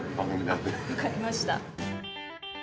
わかりました。